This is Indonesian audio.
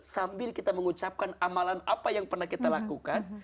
sambil kita mengucapkan amalan apa yang pernah kita lakukan